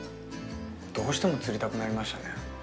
どうしても釣りたくなりましたね。